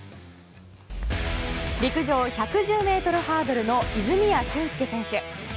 陸上１１０ｍハードルの泉谷駿介選手。